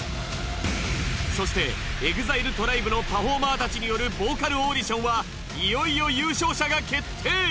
そしてＥＸＩＬＥＴＲＩＢＥのパフォーマーたちによるボーカルオーディションはいよいよ優勝者が決定。